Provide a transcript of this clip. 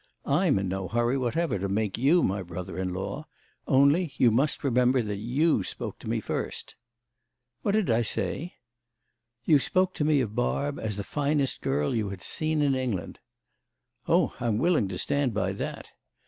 "I'm in no hurry whatever to make you my brother in law. Only you must remember that you spoke to me first." "What did I say?" "You spoke to me of Barb as the finest girl you had seen in England." "Oh I'm willing to stand by that."